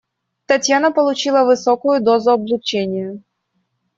Татьяна получила высокую дозу облучения.